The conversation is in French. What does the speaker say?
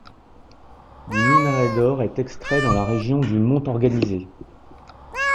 Du minerai d'or est extrait dans la région du mont-Organisé.